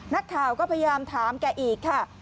นักข่าวก็พยายามถามแกอีกค่ะ